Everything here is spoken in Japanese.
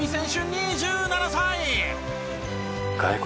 ２７歳。